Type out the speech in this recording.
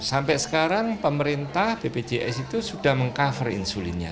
sampai sekarang pemerintah bpjs itu sudah meng cover insulinnya